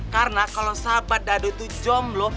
karena kalau sahabat dado itu jomlo